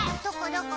どこ？